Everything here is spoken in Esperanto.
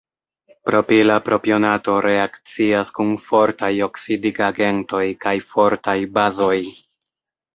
Propila propionato reakcias kun fortaj oksidigagentoj kaj fortaj bazoj.